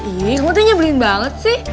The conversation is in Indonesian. iya kamu tuh nyebelin banget sih